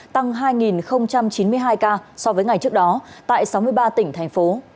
tăng hai chín mươi hai ca so với ngày trước đó tại sáu mươi ba tỉnh thành phố